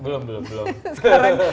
belum belum belum